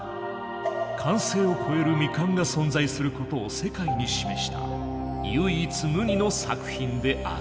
完成を超える未完が存在することを世界に示した唯一無二の作品である。